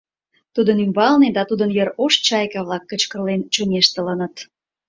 Тудын ӱмбалне да тудын йыр ош чайка-влак кычкырлен чоҥештылыныт.